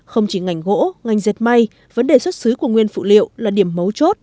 không chỉ ngành gỗ ngành dệt may vấn đề xuất xứ của nguyên phụ liệu là điểm mấu chốt